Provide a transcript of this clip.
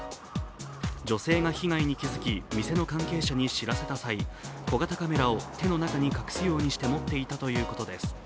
女性が被害に気づき店の関係者に知らせた際小型カメラを手の中に隠すようにして持っていたということです。